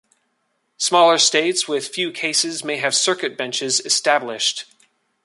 Smaller states with few cases may have circuit benches established.